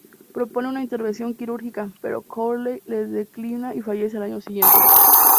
Propone una intervención quirúrgica, pero Crowley la declina y fallece al año siguiente.